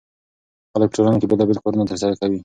خلک په ټولنه کې بېلابېل کارونه ترسره کوي.